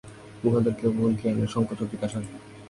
উহাদের কেবল জ্ঞানের সঙ্কোচ ও বিকাশ হয়।